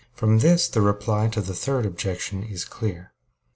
From this the reply to the third objection is clear.